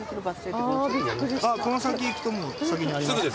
この先行くと先にあります。